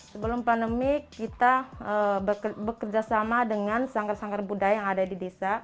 sebelum pandemi kita bekerja sama dengan sangkar sangkar budaya yang ada di desa